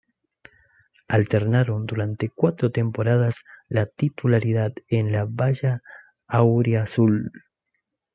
Alternaron durante cuatro temporadas la titularidad en la valla auriazul.